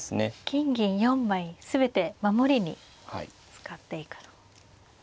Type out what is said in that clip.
金銀４枚全て守りに使っていくと。